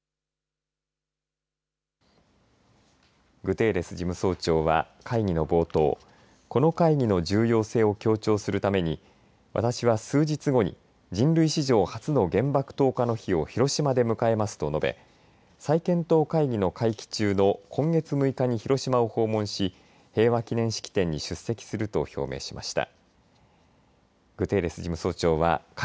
グテーレス事務総長は会議の冒頭この会議の重要性を強調するために私は数日後に人類史上、初の原爆投下の日を広島で迎えますと述べ再検討会議の会期中の今月６日に広島を訪問し平和記念式典に出席すると表明しました。